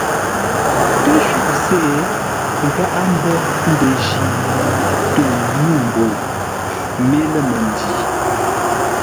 Təshʉʼ se gháʼá mbə́ ndənji yi tô nyû mbəu mé lə̂ məndǐ.